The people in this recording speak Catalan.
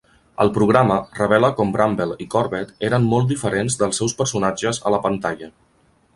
El programa revela com Brambell i Corbett eren molt diferents dels seus personatges a la pantalla.